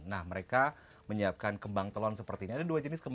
kami menyiapkan kembang telon seperti ini ada dua jenis